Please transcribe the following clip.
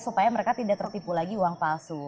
supaya mereka tidak tertipu lagi uang palsu